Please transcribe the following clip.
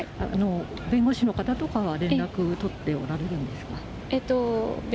弁護士の方とかは連絡取っておられるんですか？